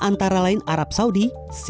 antara lain arab saudi